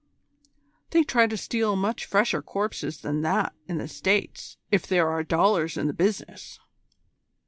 They try to steal much fresher corpses than that in the States if there are dollars in the business."